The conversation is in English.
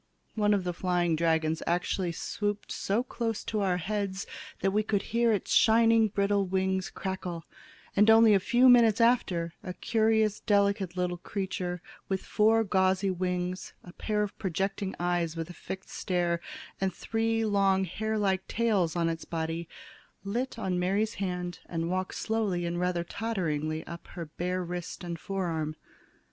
One of the flying dragons actually swooped so close to our heads that we could hear its shining brittle wings crackle, and only a few minutes after, a curious delicate little creature with four gauzy wings, a pair of projecting eyes with a fixed stare, and three long hair like tails on its body, lit on Mary's hand and walked slowly and rather totteringly up her bare wrist and fore arm.